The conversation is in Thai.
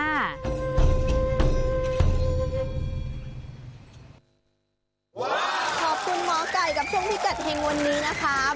ขอบคุณหมอไก่กับช่วงพิกัดเฮงวันนี้นะครับ